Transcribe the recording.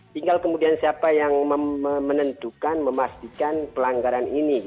tinggal kemudian siapa yang menentukan memastikan pelanggaran ini